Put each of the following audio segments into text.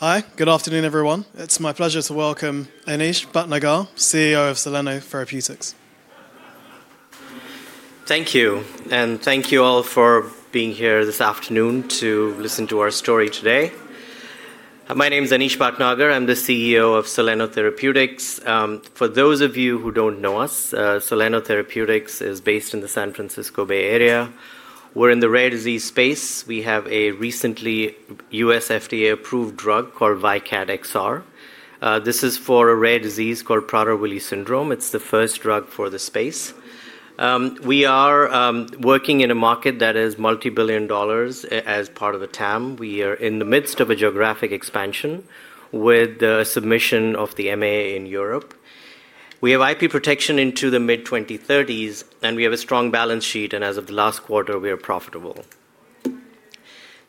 Hi, good afternoon, everyone. It's my pleasure to welcome Anish Bhatnagar, CEO of Soleno Therapeutics. Thank you, and thank you all for being here this afternoon to listen to our story today. My name is Anish Bhatnagar. I'm the CEO of Soleno Therapeutics. For those of you who don't know us, Soleno Therapeutics is based in the San Francisco Bay Area. We're in the rare disease space. We have a recently US FDA-approved drug called VYKAT XR. This is for a rare disease called Prader-Willi syndrome. It's the first drug for the space. We are working in a market that is multi-billion dollars as part of the TAM. We are in the midst of a geographic expansion with the submission of the MAA in Europe. We have IP protection into the mid-2030s, and we have a strong balance sheet, and as of the last quarter, we are profitable.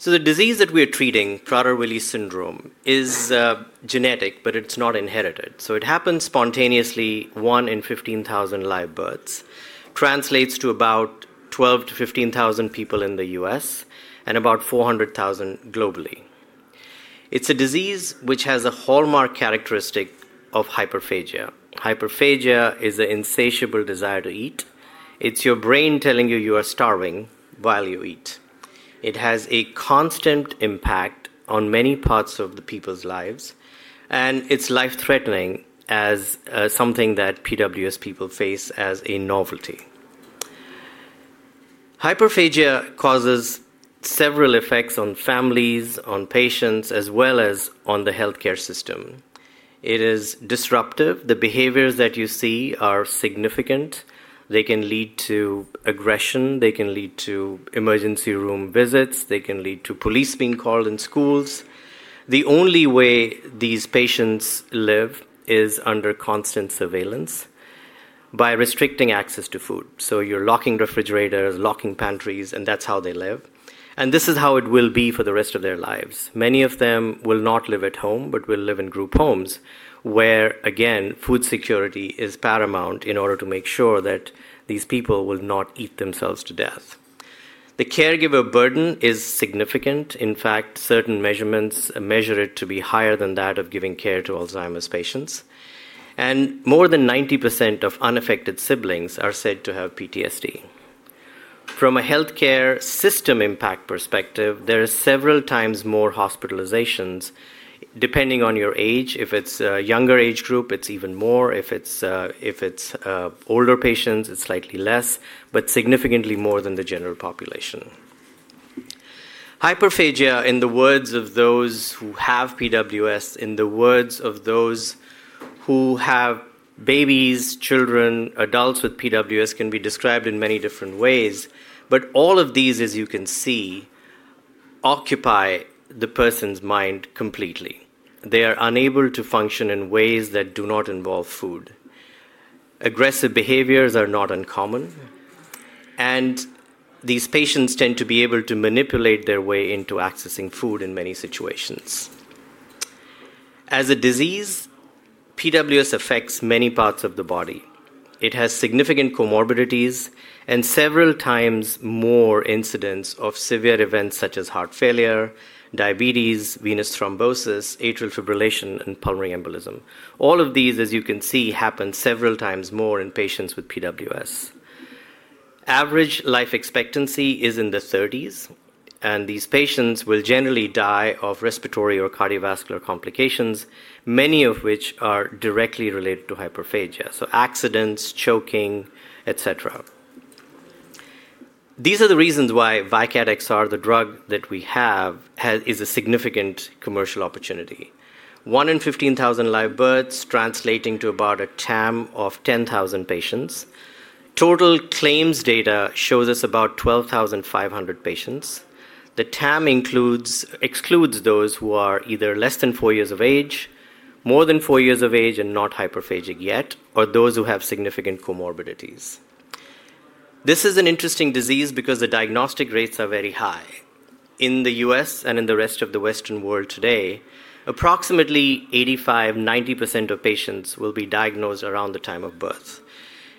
The disease that we are treating, Prader-Willi syndrome, is genetic, but it's not inherited. It happens spontaneously, one in 15,000 live births, translates to about 12,000-15,000 people in the U.S., and about 400,000 globally. It's a disease which has a hallmark characteristic of hyperphagia. Hyperphagia is an insatiable desire to eat. It's your brain telling you you are starving while you eat. It has a constant impact on many parts of people's lives, and it's life-threatening as something that PWS people face as a novelty. Hyperphagia causes several effects on families, on patients, as well as on the health care system. It is disruptive. The behaviors that you see are significant. They can lead to aggression. They can lead to emergency room visits. They can lead to police being called in schools. The only way these patients live is under constant surveillance by restricting access to food. You're locking refrigerators, locking pantries, and that's how they live. This is how it will be for the rest of their lives. Many of them will not live at home, but will live in group homes where, again, food security is paramount in order to make sure that these people will not eat themselves to death. The caregiver burden is significant. In fact, certain measurements measure it to be higher than that of giving care to Alzheimer's patients. More than 90% of unaffected siblings are said to have PTSD. From a health care system impact perspective, there are several times more hospitalizations depending on your age. If it is a younger age group, it is even more. If it is older patients, it is slightly less, but significantly more than the general population. Hyperphagia, in the words of those who have PWS, in the words of those who have babies, children, adults with PWS, can be described in many different ways. All of these, as you can see, occupy the person's mind completely. They are unable to function in ways that do not involve food. Aggressive behaviors are not uncommon. These patients tend to be able to manipulate their way into accessing food in many situations. As a disease, PWS affects many parts of the body. It has significant comorbidities and several times more incidence of severe events such as heart failure, diabetes, venous thrombosis, atrial fibrillation, and pulmonary embolism. All of these, as you can see, happen several times more in patients with PWS. Average life expectancy is in the 30s. These patients will generally die of respiratory or cardiovascular complications, many of which are directly related to hyperphagia, so accidents, choking, et cetera. These are the reasons why VYKAT XR, the drug that we have, is a significant commercial opportunity. One in 15,000 live births, translating to about a TAM of 10,000 patients. Total claims data shows us about 12,500 patients. The TAM excludes those who are either less than four years of age, more than four years of age and not hyperphagic yet, or those who have significant comorbidities. This is an interesting disease because the diagnostic rates are very high. In the U.S. and in the rest of the Western world today, approximately 85%-90% of patients will be diagnosed around the time of birth.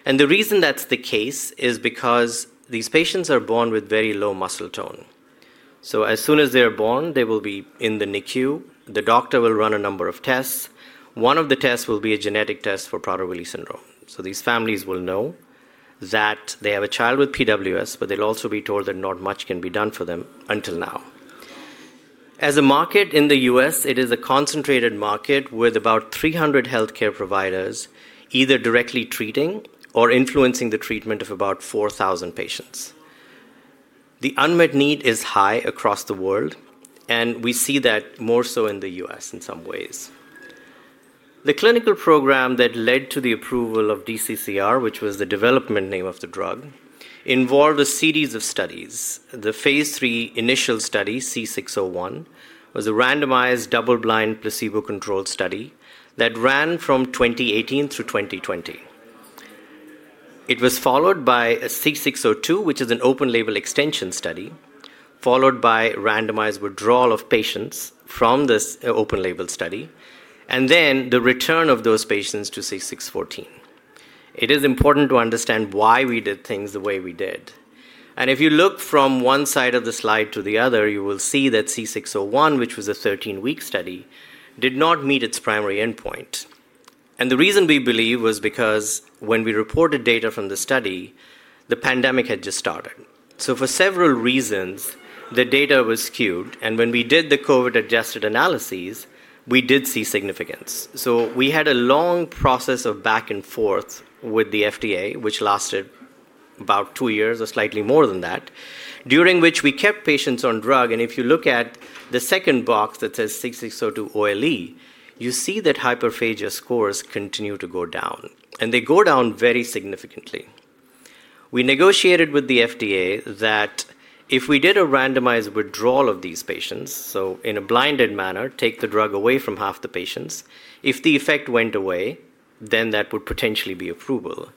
The reason that's the case is because these patients are born with very low muscle tone. As soon as they are born, they will be in the NICU. The doctor will run a number of tests. One of the tests will be a genetic test for Prader-Willi syndrome. These families will know that they have a child with PWS, but they'll also be told that not much can be done for them until now. As a market in the U.S., it is a concentrated market with about 300 health care providers either directly treating or influencing the treatment of about 4,000 patients. The unmet need is high across the world, and we see that more so in the U.S. in some ways. The clinical program that led to the approval of DCCR, which was the development name of the drug, involved a series of studies. The phase III initial study, C601, was a randomized double-blind placebo-controlled study that ran from 2018 through 2020. It was followed by C602, which is an open-label extension study, followed by randomized withdrawal of patients from this open-label study, and then the return of those patients to C614. It is important to understand why we did things the way we did. If you look from one side of the slide to the other, you will see that C601, which was a 13-week study, did not meet its primary endpoint. The reason we believe was because when we reported data from the study, the pandemic had just started. For several reasons, the data was skewed. When we did the COVID-adjusted analyses, we did see significance. We had a long process of back and forth with the FDA, which lasted about two years or slightly more than that, during which we kept patients on drug. If you look at the second box that says C602 OLE, you see that hyperphagia scores continue to go down, and they go down very significantly. We negotiated with the FDA that if we did a randomized withdrawal of these patients, so in a blinded manner, take the drug away from half the patients, if the effect went away, then that would potentially be approval.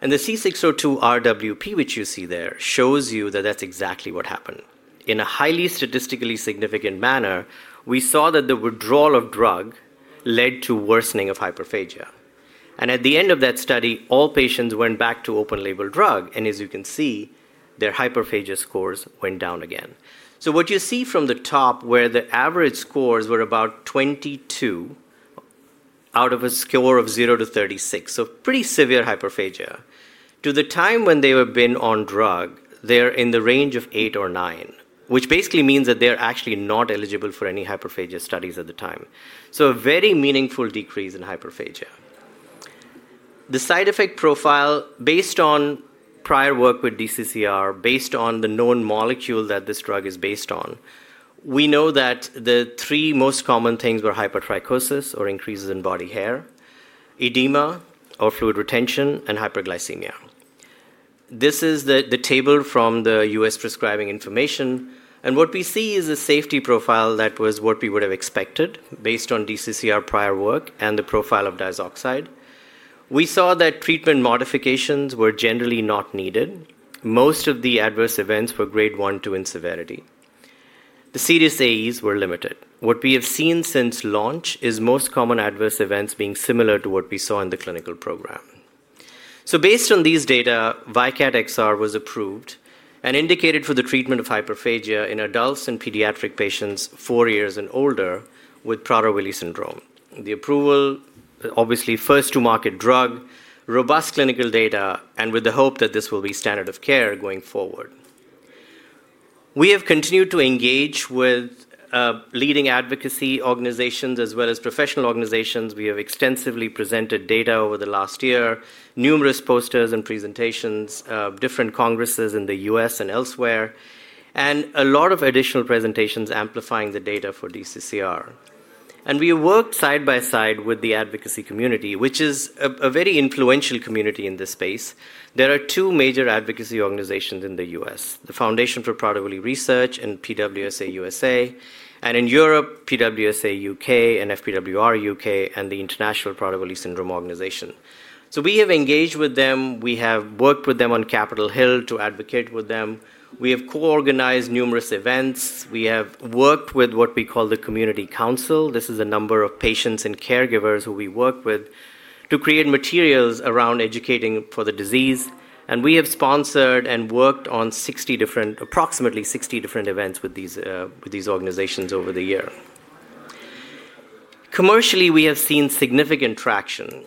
The C602 RWP, which you see there, shows you that that's exactly what happened. In a highly statistically significant manner, we saw that the withdrawal of drug led to worsening of hyperphagia. At the end of that study, all patients went back to open-label drug. As you can see, their hyperphagia scores went down again. What you see from the top, where the average scores were about 22 out of a score of 0 to 36, so pretty severe hyperphagia, to the time when they have been on drug, they're in the range of 8 or 9, which basically means that they're actually not eligible for any hyperphagia studies at the time. A very meaningful decrease in hyperphagia. The side effect profile, based on prior work with DCCR, based on the known molecule that this drug is based on, we know that the three most common things were hypertrichosis, or increases in body hair, edema, or fluid retention, and hyperglycemia. This is the table from the US Prescribing Information. What we see is a safety profile that was what we would have expected based on DCCR prior work and the profile of diazoxide. We saw that treatment modifications were generally not needed. Most of the adverse events were grade 1 to in severity. The serious AEs were limited. What we have seen since launch is most common adverse events being similar to what we saw in the clinical program. Based on these data, VYKAT XR was approved and indicated for the treatment of hyperphagia in adults and pediatric patients four years and older with Prader-Willi syndrome. The approval, obviously, first to market drug, robust clinical data, and with the hope that this will be standard of care going forward. We have continued to engage with leading advocacy organizations as well as professional organizations. We have extensively presented data over the last year, numerous posters and presentations, different congresses in the U.S. and elsewhere, and a lot of additional presentations amplifying the data for DCCR. We have worked side by side with the advocacy community, which is a very influential community in this space. There are two major advocacy organizations in the U.S., the Foundation for Prader-Willi Research and PWSA USA, and in Europe, PWSA UK and FPWR UK and the International Prader-Willi Syndrome Organization. We have engaged with them. We have worked with them on Capitol Hill to advocate with them. We have co-organized numerous events. We have worked with what we call the Community Council. This is a number of patients and caregivers who we work with to create materials around educating for the disease. We have sponsored and worked on approximately 60 different events with these organizations over the year. Commercially, we have seen significant traction.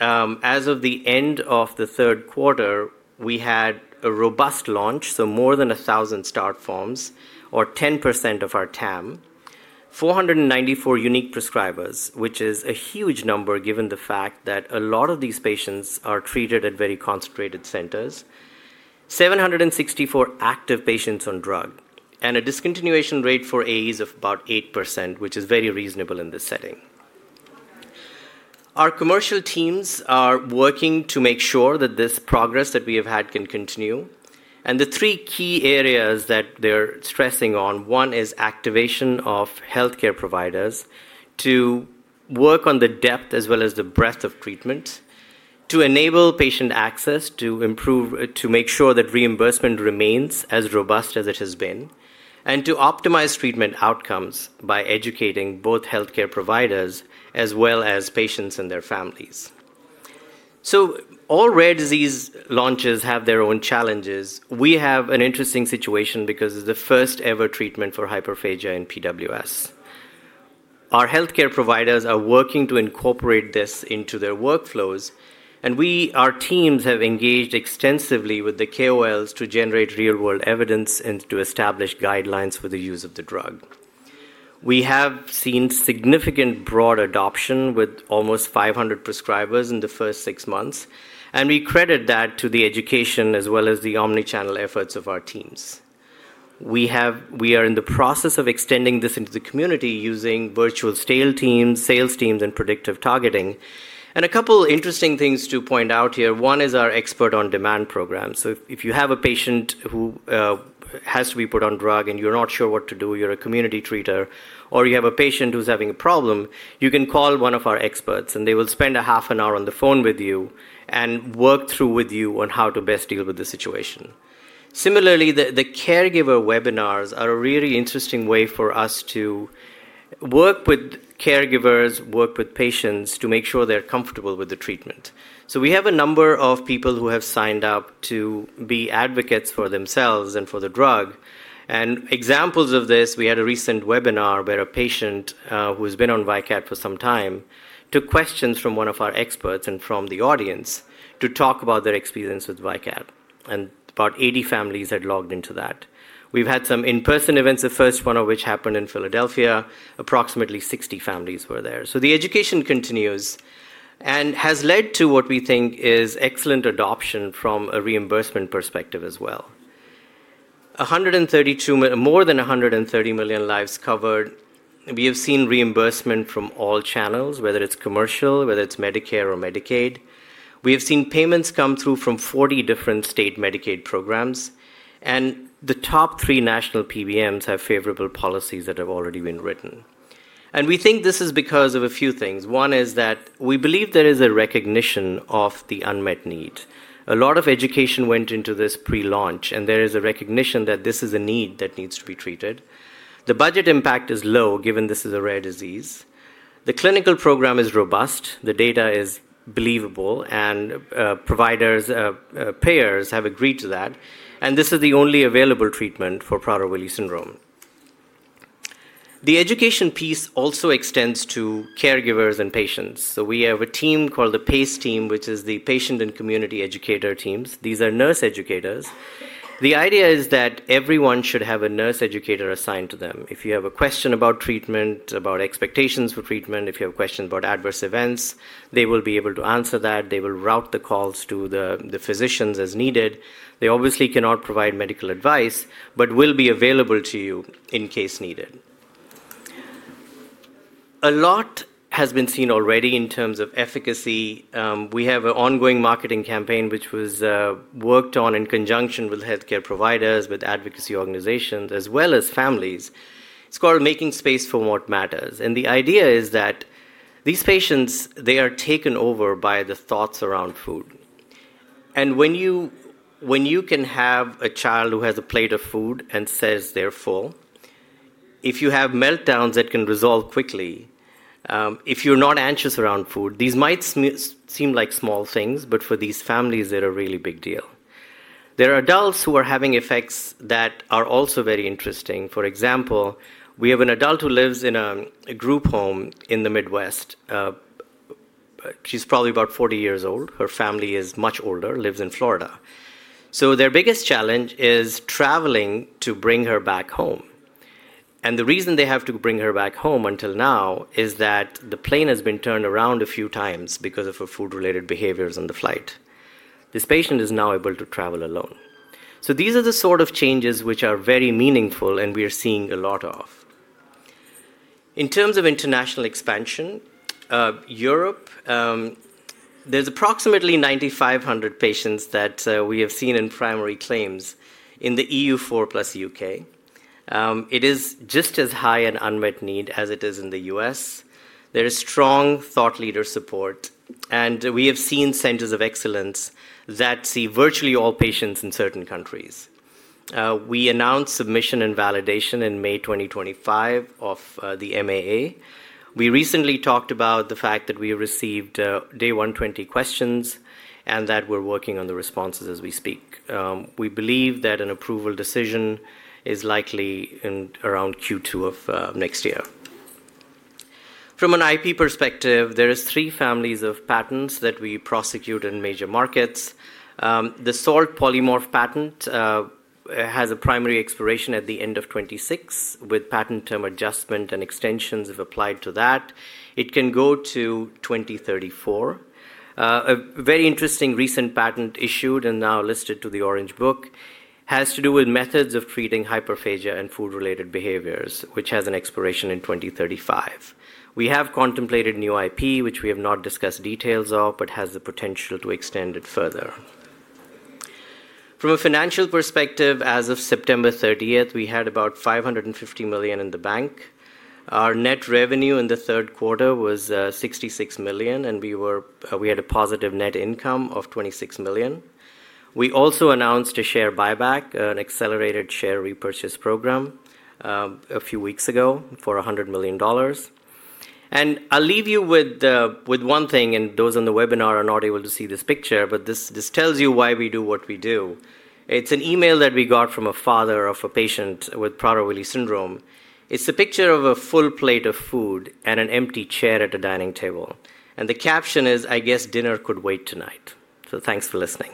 As of the end of the third quarter, we had a robust launch, so more than 1,000 start forms or 10% of our TAM, 494 unique prescribers, which is a huge number given the fact that a lot of these patients are treated at very concentrated centers, 764 active patients on drug, and a discontinuation rate for AEs of about 8%, which is very reasonable in this setting. Our commercial teams are working to make sure that this progress that we have had can continue. The three key areas that they're stressing on, one is activation of health care providers to work on the depth as well as the breadth of treatment, to enable patient access, to make sure that reimbursement remains as robust as it has been, and to optimize treatment outcomes by educating both health care providers as well as patients and their families. All rare disease launches have their own challenges. We have an interesting situation because it is the first-ever treatment for hyperphagia in PWS. Our health care providers are working to incorporate this into their workflows. Our teams have engaged extensively with the KOLs to generate real-world evidence and to establish guidelines for the use of the drug. We have seen significant broad adoption with almost 500 prescribers in the first six months. We credit that to the education as well as the omnichannel efforts of our teams. We are in the process of extending this into the community using virtual sales teams, sales teams, and predictive targeting. A couple of interesting things to point out here. One is our expert on demand program. If you have a patient who has to be put on drug and you're not sure what to do, you're a community treater, or you have a patient who's having a problem, you can call one of our experts. They will spend a half an hour on the phone with you and work through with you on how to best deal with the situation. Similarly, the caregiver webinars are a really interesting way for us to work with caregivers, work with patients to make sure they're comfortable with the treatment. We have a number of people who have signed up to be advocates for themselves and for the drug. Examples of this, we had a recent webinar where a patient who has been on VYKAT XR for some time took questions from one of our experts and from the audience to talk about their experience with VYKAT XR. About 80 families had logged into that. We've had some in-person events, the first one of which happened in Philadelphia. Approximately 60 families were there. The education continues and has led to what we think is excellent adoption from a reimbursement perspective as well. More than $130 million lives covered. We have seen reimbursement from all channels, whether it's commercial, whether it's Medicare or Medicaid. We have seen payments come through from 40 different state Medicaid programs. The top three national PBMs have favorable policies that have already been written. We think this is because of a few things. One is that we believe there is a recognition of the unmet need. A lot of education went into this pre-launch. There is a recognition that this is a need that needs to be treated. The budget impact is low, given this is a rare disease. The clinical program is robust. The data is believable. Providers and payers have agreed to that. This is the only available treatment for Prader-Willi syndrome. The education piece also extends to caregivers and patients. We have a team called the PACE team, which is the Patient and Community Educator Teams. These are nurse educators. The idea is that everyone should have a nurse educator assigned to them. If you have a question about treatment, about expectations for treatment, if you have questions about adverse events, they will be able to answer that. They will route the calls to the physicians as needed. They obviously cannot provide medical advice, but will be available to you in case needed. A lot has been seen already in terms of efficacy. We have an ongoing marketing campaign which was worked on in conjunction with health care providers, with advocacy organizations, as well as families. It is called Making Space for What Matters. The idea is that these patients, they are taken over by the thoughts around food. When you can have a child who has a plate of food and says they are full, if you have meltdowns that can resolve quickly, if you are not anxious around food, these might seem like small things, but for these families, they are a really big deal. There are adults who are having effects that are also very interesting. For example, we have an adult who lives in a group home in the Midwest. She is probably about 40 years old. Her family is much older, lives in Florida. Their biggest challenge is traveling to bring her back home. The reason they have to bring her back home until now is that the plane has been turned around a few times because of her food-related behaviors on the flight. This patient is now able to travel alone. These are the sort of changes which are very meaningful, and we are seeing a lot of them. In terms of international expansion, Europe, there are approximately 9,500 patients that we have seen in primary claims in the EU4 + UK. It is just as high an unmet need as it is in the U.S. There is strong thought leader support. We have seen centers of excellence that see virtually all patients in certain countries. We announced submission and validation in May 2025 of the MAA. We recently talked about the fact that we received day 120 questions and that we are working on the responses as we speak. We believe that an approval decision is likely around Q2 of next year. From an IP perspective, there are three families of patents that we prosecute in major markets. The Salt Polymorph patent has a primary expiration at the end of 2026, with patent term adjustment and extensions if applied to that. It can go to 2034. A very interesting recent patent issued and now listed to the Orange Book has to do with methods of treating hyperphagia and food-related behaviors, which has an expiration in 2035. We have contemplated new IP, which we have not discussed details of, but has the potential to extend it further. From a financial perspective, as of September 30, we had about $550 million in the bank. Our net revenue in the third quarter was $66 million, and we had a positive net income of $26 million. We also announced a share buyback, an accelerated share repurchase program, a few weeks ago for $100 million. I'll leave you with one thing, and those on the webinar are not able to see this picture, but this tells you why we do what we do. It's an email that we got from a father of a patient with Prader-Willi syndrome. It's a picture of a full plate of food and an empty chair at a dining table. The caption is, "I guess dinner could wait tonight." Thanks for listening.